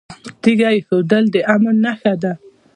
تیږه ایښودل د امن نښه ده